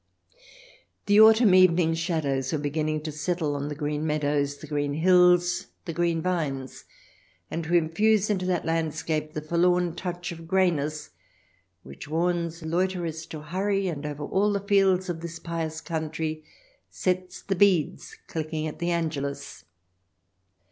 The autumn evening shadows were beginning to settle on the green meadows, the green hills, the green vines, and to infuse into that landscape the forlorn touch of greyness which warns loiterers to hurry, and over all the fields of this pious country sets the beads clicking at the Angelus.